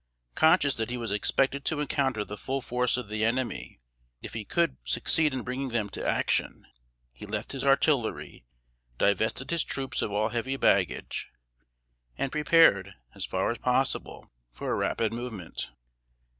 Conscious that he was expected to encounter the full force of the enemy, if he could succeed in bringing them to action, he left his artillery; divested his troops of all heavy baggage, and prepared, as far as possible, for a rapid movement.